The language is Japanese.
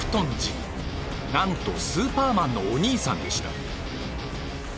なんとスーパーマンのお兄さんでした。